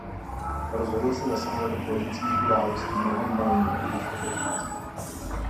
Rozhodl se zasahovat do politických událostí mnohem méně než jeho otec.